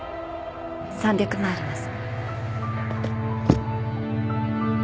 ３００万あります。